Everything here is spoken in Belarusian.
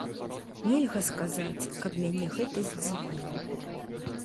Нельга сказаць, каб мяне гэта здзівіла.